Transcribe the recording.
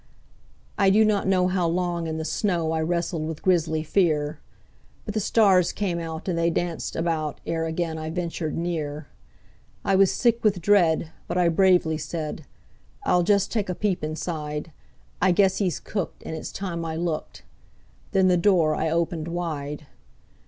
I do not know how long in the snow I wrestled with grisly fear; But the stars came out and they danced about ere again I ventured near; I was sick with dread, but I bravely said: "I'll just take a peep inside. I guess he's cooked, and it's time I looked";. .. then the door I opened wide.